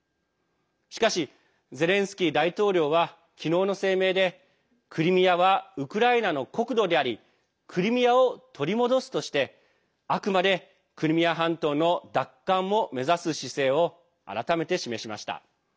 しかし、ゼレンスキー大統領は昨日の声明でクリミアはウクライナの国土でありクリミアを取り戻すとしてあくまでクリミア半島の奪還も目指す姿勢を改めて示しました。